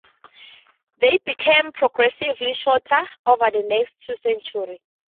They became progressively shorter over the next two centuries.